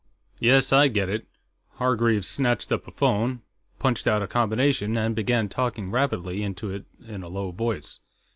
"Yes, I get it." Hargreaves snatched up a phone, punched out a combination, and began talking rapidly into it in a low voice.